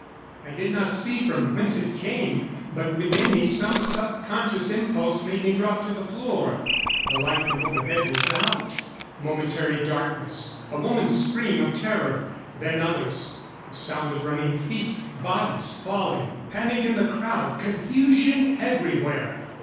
I did not see from whence it came; but within me some subconscious impulse made me drop to the floor. The light from overhead was out. Momentary darkness. A woman's scream of terror. Then others. The sound of running feet; bodies falling. Panic in the crowd. Confusion everywhere.